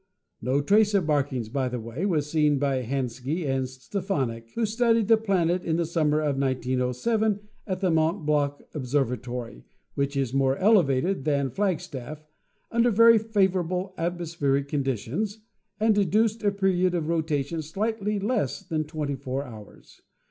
No trace of markings, by the way, was seen by Hansky and Stefanik, who studied the planet in the summer of 1907 at the Mont Blanc observatory, which is more elevated than Flagstaff, under very favorable atmospheric conditions, and deduced a period of rotation slightly less than 24 hours.